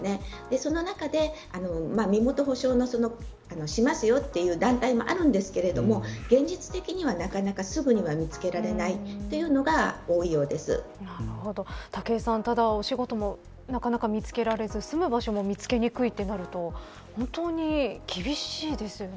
その中で、身元保証をしますよという団体もあるんですけれども現実的には、なかなかすぐには見つけられない武井さん、ただ、お仕事もなかなか見つけられず住む場所も見つけにくいとなると本当に厳しいですよね。